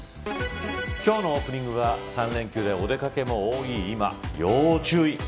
今日オープニングは３連休でお出掛けも多い今、要注意。